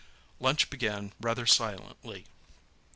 Lunch began rather silently.